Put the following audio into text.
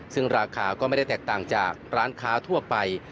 ซึ่งราคาก็ไม่ได้แตกต่างจากร้านค้าทั่วไป